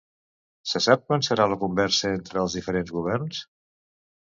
Se sap quan serà la conversa entre els diferents governs?